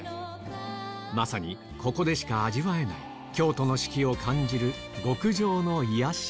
まさにここでしか味わえない京都の四季を感じる極上の癒やし